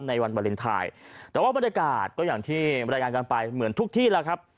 ในวันวาเลนไทยแต่ว่าบรรยากาศก็อย่างที่บรรยายงานกันไปเหมือนทุกที่แล้วครับ